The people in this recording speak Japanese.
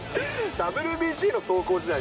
ＷＢＣの壮行試合。